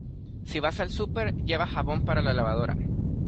Si vas al súper, lleva jabón para la lavadora.